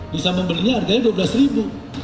bisa membelinya harganya rp dua belas